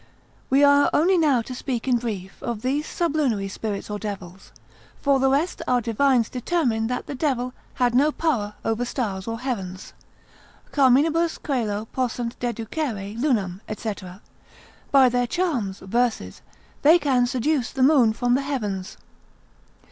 We are only now to speak in brief of these sublunary spirits or devils: for the rest, our divines determine that the devil had no power over stars, or heavens; Carminibus coelo possunt deducere lunam, &C., (by their charms (verses) they can seduce the moon from the heavens).